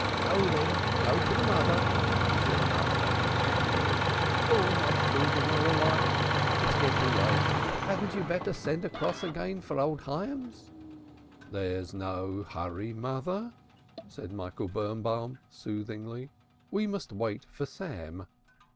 Go then! Go to the mother," said Malka angrily. "All my children are alike. It's getting late. Hadn't you better send across again for old Hyams?" "There's no hurry, mother," said Michael Birnbaum soothingly. "We must wait for Sam."